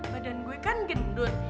badan gue kan gendut